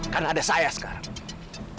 karena ada saya sekarang